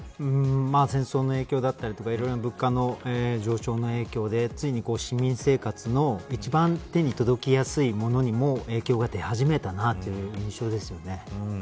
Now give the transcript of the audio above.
戦争の影響だったりいろいろ物価の上昇の影響でついに市民生活の一番、手に届きやすいものにも影響が出始めたという印象です。